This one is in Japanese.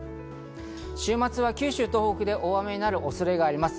週末は九州、東北で大雨になる恐れがあります。